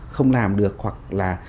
không làm được hoặc là